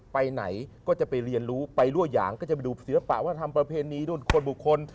ไปไหนก็จะไปเรียนรู้ไปรั่วหยางก็จะไปดูศิลปะวัฒนธรรมประเพณีรุ่นคนบุคคล